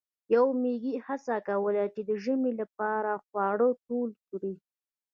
یوې میږی هڅه کوله چې د ژمي لپاره خواړه ټول کړي.